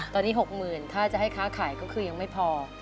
ตอนนี้๖๐๐๐ถ้าจะให้ค้าขายก็คือยังไม่พอ